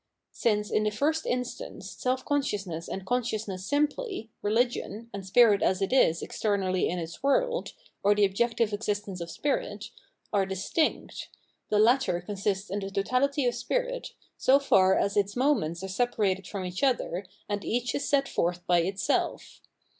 Since in the first instance seM consciousness and con sciousness simply, rehgion, and spirit as it is externally in its world, or the objective existence of spirit, are distinct, the latter consists in the totahty of spirit, so far as its moments are separated from each other and each is set forth by itself.